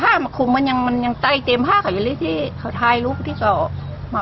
อ่ะคุณมันยังมันยังไตใจเต็มภาคเห็นล่ะที่เขาช่วยลูกเรา